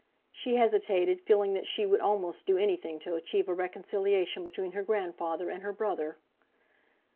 She hesitated, feeling that she would almost do anything to achieve a reconciliation between her grandfather and her brother.